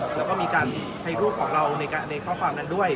แล้วก็มีการใช้รูปของเราในข้อความนั้นด้วย